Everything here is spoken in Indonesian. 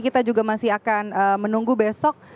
kita juga masih akan menunggu besok